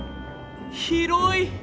広い！